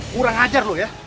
kurang ajar lo ya